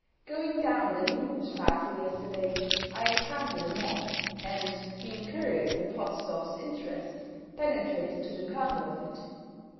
Going down the Linden Strasse yesterday, I encountered a mob; and, being curious in Potzdorff's interest, penetrated to the kernel of it.